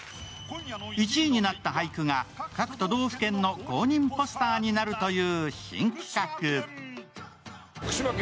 １位になった俳句が各都道府県の公認ポスターになるという新企画。